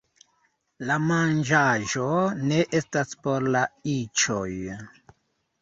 La manĝaĵo ne estas por la iĉoj